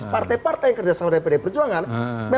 partai partai yang kerjasama dengan pdi perjuangan